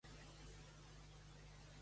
Finalment, els ajuda amb la motricitat fina